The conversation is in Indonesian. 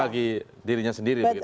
bagi dirinya sendiri